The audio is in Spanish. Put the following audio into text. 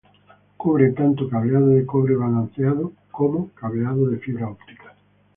Cubre tanto cableado de cobre balanceado como cableado de fibra óptica.